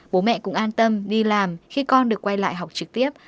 bố mẹ cũng an tâm đi làm khi con được quay lại học trực tiếp